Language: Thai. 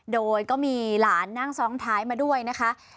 โดยก็มีหลานนั่งซ้อนท้ายมาด้วยนะคะ